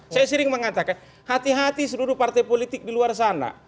saya sering mengatakan hati hati seluruh partai politik di luar sana